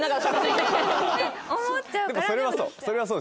でもそれはそう。